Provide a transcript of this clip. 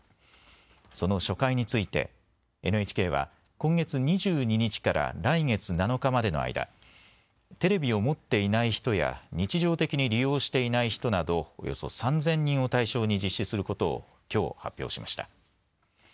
その初回についてＮＨＫは今月２２日から来月７日までの間、テレビを持っていない人や日常的に利用していない人などおよそ３０００人を対象に実施することをきょう発表しました。